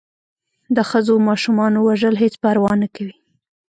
د ښځو و ماشومانو وژل هېڅ پروا نه کوي.